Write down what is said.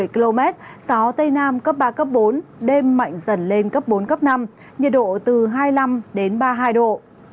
một mươi km gió tây nam cấp ba cấp bốn đêm mạnh dần lên cấp bốn cấp năm nhiệt độ từ hai mươi năm đến ba mươi hai độ